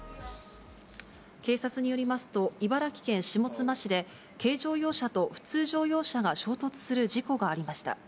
警察によりますと、茨城県下妻市で、軽乗用車と普通乗用車が衝突する事故がありました。